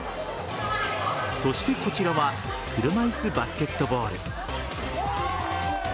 そして、こちらは車いすバスケットボール。